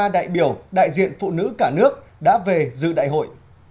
một một trăm năm mươi ba đại biểu đại diện phụ nữ cả nước đã về dự đại hội